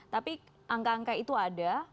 tapi angka angka itu ada